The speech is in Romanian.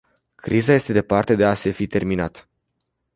Criza este departe de a se fi terminat.